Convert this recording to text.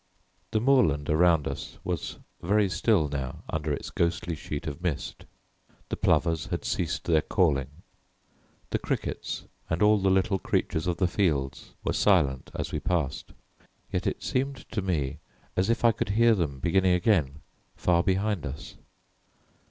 The moorland around us was very still now under its ghostly sheet of mist. The plovers had ceased their calling; the crickets and all the little creatures of the fields were silent as we passed, yet it seemed to me as if I could hear them beginning again far behind us.